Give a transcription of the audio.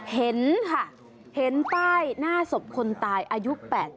เห็นค่ะเห็นป้ายหน้าศพคนตายอายุ๘๐